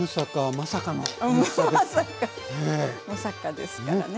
まさかムサカですからね。